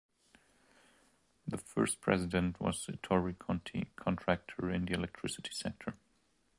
The first president was Ettore Conti, contractor in the electricity sector.